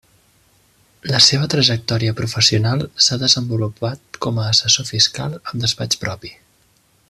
La seva trajectòria professional s'ha desenvolupat com a assessor fiscal amb despatx propi.